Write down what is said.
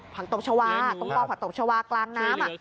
ผักตบชาวะกลางน้ำ